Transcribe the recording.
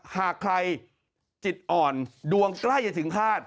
หากใครจิตอ่อนดวงใกล้จะถึงฆาต